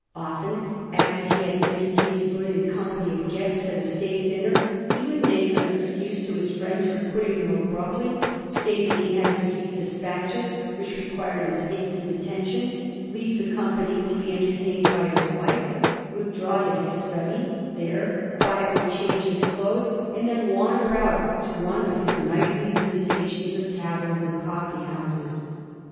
Often, after he had entertained a brilliant company of guests at a state dinner, he would make some excuse to his friends for quitting them abruptly ; say that he had received despatches which required his instant at tention, leave the company to be entertained by his wife, withdraw to his study, there quietly change his clothes, and then wander out on one of his nightly visitations of taverns and coffee houses.